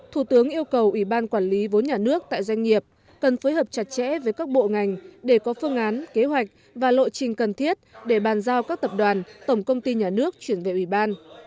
thủ tướng yêu cầu ủy ban quản lý vốn nhà nước tại doanh nghiệp cần phối hợp chặt chẽ với các bộ ngành để có phương án kế hoạch và lộ trình cần thiết để bàn giao các tập đoàn tổng công ty nhà nước chuyển về ủy ban